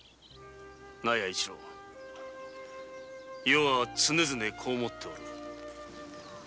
弥一郎余は常々こう思っている。